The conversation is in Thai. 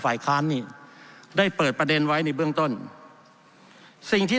ฝ่ายค้านนี่ได้เปิดประเด็นไว้ในเบื้องต้นสิ่งที่